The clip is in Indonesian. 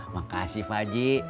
makasih pak haji